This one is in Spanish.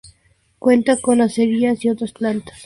Cuenta con acerías y otras plantas metalúrgicas.